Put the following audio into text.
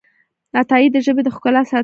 عطايي د ژبې د ښکلا ساتنه کړې ده.